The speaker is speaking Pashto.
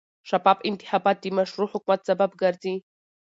شفاف انتخابات د مشروع حکومت سبب ګرځي